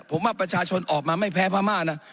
ผมว่าประชาชนออกมาไม่แพ้พม่านะ